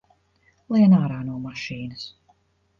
Lien ārā no mašīnas!